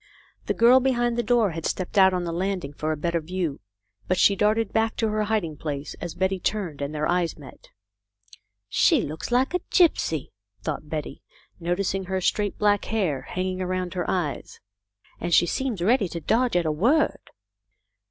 The girl behind the door had stepped out on the landing for a better view, but she darted back to her hiding place as Betty turned, and their eyes met. " She looks like a gypsy," thought Betty, noticing her straight black hair hanging around her eyes. "And she seems ready to dodge at a word."